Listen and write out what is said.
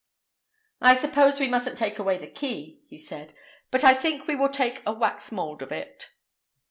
"I suppose we mustn't take away the key," he said, "but I think we will take a wax mould of it."